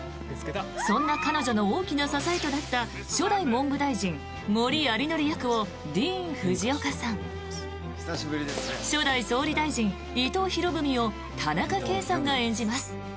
そんな彼女の大きな支えとなった初代文部大臣、森有礼役をディーン・フジオカさん初代総理大臣、伊藤博文を田中圭さんが演じます。